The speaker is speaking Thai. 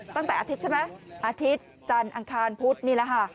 ตั้งแต่อาทิตย์ใช่ไหมอาทิตย์จันทร์อังคารพุธนี่แหละค่ะ